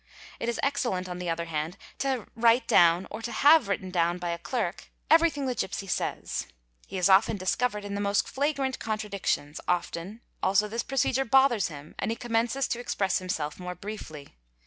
It is excellent on the other hand to write down or to have 'written down by a clerk everything the gipsy says. He is often dis covered in the most flagrant contradictions, often also this procedure bothers him and he commences to express himself more briefly.